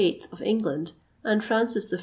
of England, and Francis I.